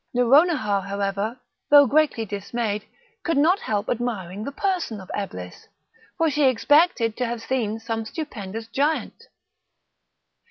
Nouronihar, however, though greatly dismayed, could not help admiring the person of Eblis; for she expected to have seen some stupendous giant.